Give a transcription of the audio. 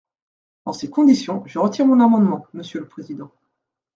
Dans ces conditions, je retire mon amendement, monsieur le président.